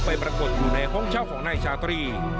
ปรากฏอยู่ในห้องเช่าของนายชาตรี